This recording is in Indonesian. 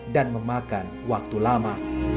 dan memakan waktu lama